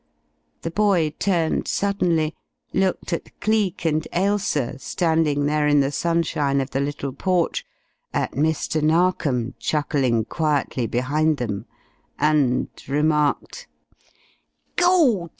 The boy turned suddenly, looked at Cleek and Ailsa standing there in the sunshine of the little porch, at Mr. Narkom chuckling quietly behind them, and remarked: "Gawd!